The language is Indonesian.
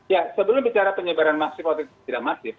ya sebelum bicara penyebaran masif atau tidak masif